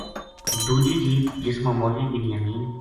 دُوجی جیپ جس ما مولوی بنیامین